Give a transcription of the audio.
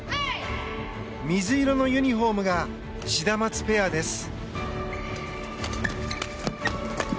水色のユニホームがシダマツペアです。